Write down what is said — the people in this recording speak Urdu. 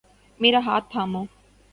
میرا ہاتھ تھامو۔